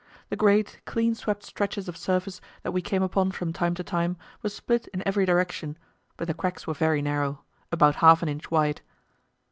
The great, clean swept stretches of surface that we came upon from time to time were split in every direction, but the cracks were very narrow about half an inch wide.